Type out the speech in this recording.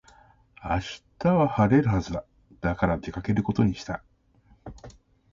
明日は晴れるはずだ。だから出かけることにした。